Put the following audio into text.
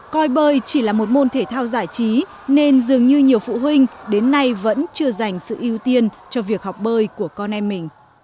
coi bơi chỉ là một môn thể thao giải trí nên dường như nhiều phụ huynh đến nay vẫn chưa dành sự ưu tiên cho việc học bơi của con em mình